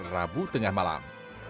rabu tengah malam